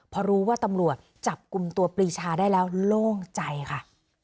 พอรู้ว่าตำรวจจับกลุ่มตัวปรีชาได้แล้วโล่งใจค่ะ